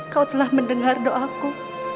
kau telah mendengar doaku